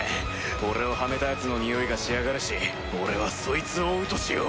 俺をはめたヤツのにおいがしやがるし俺はそいつを追うとしよう。